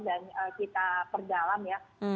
dan kita perdalam ya